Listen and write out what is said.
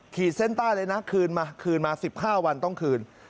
ขีดเส้นใต้เลยนะคืนมาคืนมา๑๕วันต้องคืน